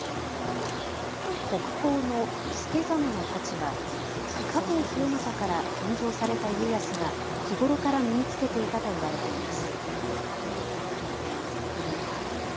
国宝の助真の太刀は加藤清正から献上された家康が日頃から身につけていたといわれています。